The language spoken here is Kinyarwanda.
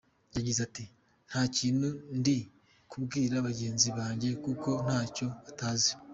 Yagize ati "Nta kintu ndi kubwira bagenzi banjye kuko ntacyo batazi.